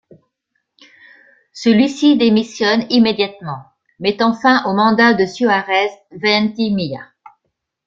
Celui-ci démissionne immédiatement, mettant fin au mandat de Suárez Veintimilla.